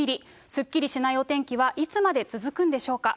すっきりしないお天気はいつまで続くんでしょうか。